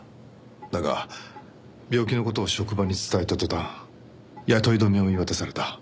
だが病気の事を職場に伝えた途端雇い止めを言い渡された。